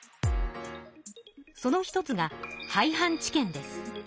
その一つが廃藩置県です。